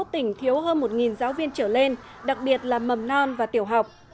hai mươi một tỉnh thiếu hơn một giáo viên trở lên đặc biệt là mầm non và tiểu học